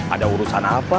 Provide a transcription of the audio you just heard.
ada urusan apa